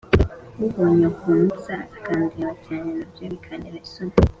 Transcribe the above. umbonye ukuntu nsa akandeba cyane nabyo bikantera isoni